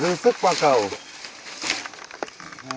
dư sức qua cầu